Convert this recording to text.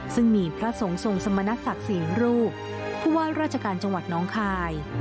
ซึ่งมีพระสงฆ์ทรงสมณศักดิ์๔รูปผู้ว่าราชการจังหวัดน้องคาย